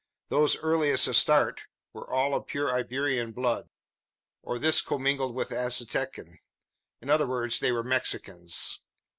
Those earliest a start were all of pure Iberian blood; or this commingled with Aztecan. In other words they were Mexicans.